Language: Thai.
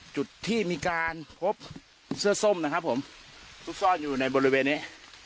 จุดที่มีการพบเสื้อส้มนะครับผมซุกซ่อนอยู่ในบริเวณนี้